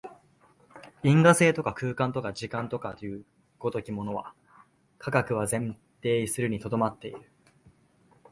因果性とか空間とか時間とかという如きものは、科学は前提するに留まっている。